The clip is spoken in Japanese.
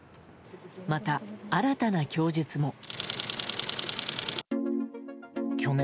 また新たな供述も。